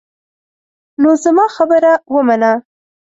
نو زما خبره ومنه.